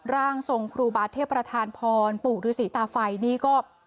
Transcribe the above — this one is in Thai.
ร่างทรงครูบาเทพประธานพรปู่ฤษีตาไฟนี่ก็